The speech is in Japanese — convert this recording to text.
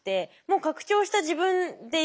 もう拡張した自分でよくて。